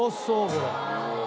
これ。